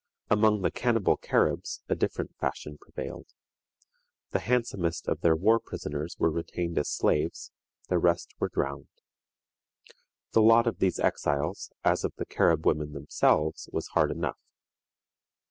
Among the cannibal Caribs a different fashion prevailed. The handsomest of their war prisoners were retained as slaves, the rest were drowned. The lot of these exiles, as of the Carib women themselves, was hard enough.